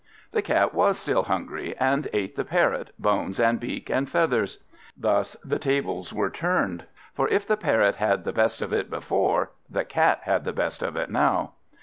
The Cat was still hungry, and ate the Parrot, bones and beak and feathers. Thus the tables were turned; for if the Parrot had the best of it before, the Cat had the best of it now.